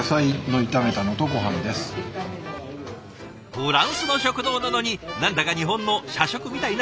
フランスの食堂なのに何だか日本の社食みたいなメニュー。